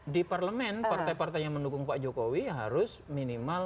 di parlemen partai partai yang mendukung pak jokowi harus minimal